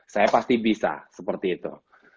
saya pasti bisa seperti itu